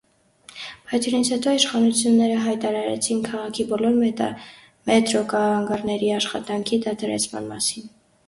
Պայթյուններից հետո իշխանությունները հայտարարեցին քաղաքի բոլոր մետրոկանգառների աշխատանքի դադարեցման մասին։